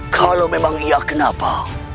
kalau memang iya kenapa